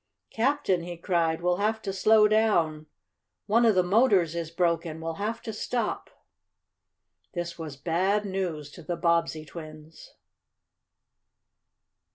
"Captain!" he cried. "We'll have to slow down! One of the motors is broken! We'll have to stop!" This was bad news to the Bobbsey twins.